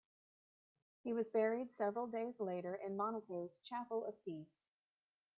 He was buried several days later in Monaco's Chapel of Peace.